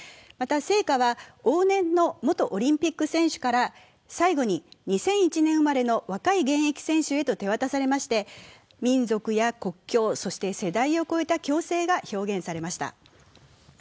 また、聖火は往年の元オリンピック選手から、最後に２００１年生まれの若い選手へと手渡され民族や国境、そして世代を超えた共生が表現されました。